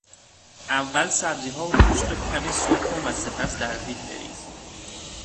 اول سبزیها و گوشت را کمی سرخ کن و سپس در دیگ بریز.